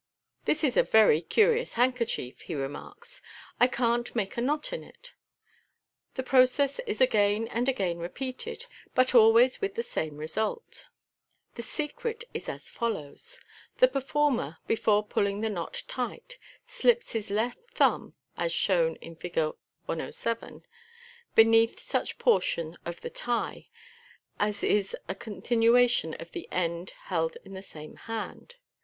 "This is a very curi ous handkerchief, " he remarks ;" I can't make a knot in it." The process is again and again repeated, but always with the same result. The secret is as follows :— The per former, before pulling the knot tight, slips his left thumb, as shown in Fig. 107, beneath such portion of the " tie " as is a con tinuation of the end held in the same hand.